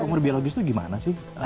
umur biologis itu gimana sih